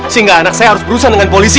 sehingga anak saya harus berusaha dengan polisi